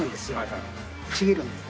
ちぎるんです。